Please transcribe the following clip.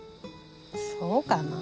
そうかな？